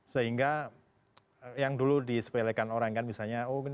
sehingga yang dulu disepelekan orang kan misalnya oh ini kok banyak mengutip berita